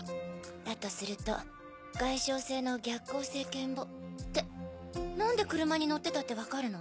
だとすると外傷性の逆行性健忘って何で車に乗ってたって分かるの？